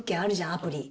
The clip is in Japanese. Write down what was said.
アプリ。